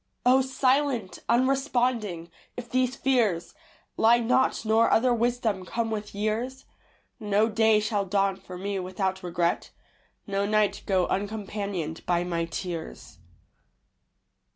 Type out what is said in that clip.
O Silent, Unresponding! If these fears Lie not, nor other wisdom come with years, No day shall dawn for me without regret, No night go uncompanioned by my tears.